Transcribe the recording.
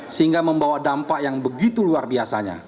sehingga membawa dampak yang begitu luar biasanya